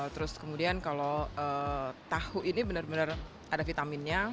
terus kemudian kalau tahu ini benar benar ada vitaminnya